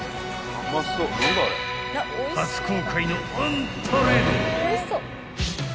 ［初公開のオンパレード］